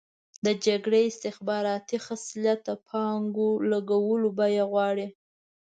د جګړې استخباراتي خصلت د پانګو لګولو بیه غواړي.